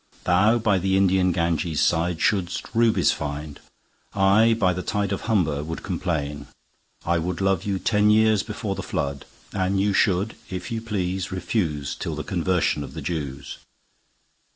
Thou by the Indian Ganges sideShould'st Rubies find: I by the TideOf Humber would complain. I wouldLove you ten years before the Flood:And you should if you please refuseTill the Conversion of the Jews.